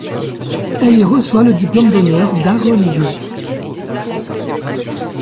Elle y reçoit le diplôme d'honneur d'art religieux.